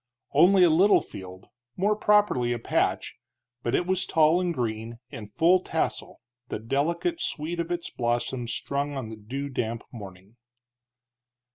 Only a little field, more properly a patch, but it was tall and green, in full tassel, the delicate sweet of its blossoms strong on the dew damp morning.